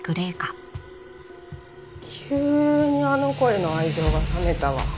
急にあの子への愛情が冷めたわ。